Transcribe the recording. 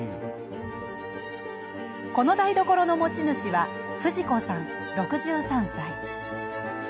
この台所の持ち主はフジ子さん、６３歳。